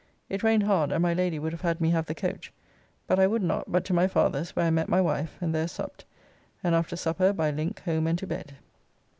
It rained hard, and my Lady would have had me have the coach, but I would not, but to my father's, where I met my wife, and there supped, and after supper by link home and to bed.